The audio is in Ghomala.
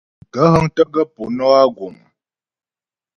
Gaə̂ hə́ŋtə́ gaə̂ po nɔ́ a guŋ ?